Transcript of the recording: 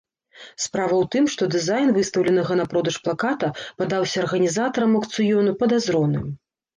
Справа ў тым, што дызайн выстаўленага на продаж плаката падаўся арганізатарам аўкцыёну падазроным.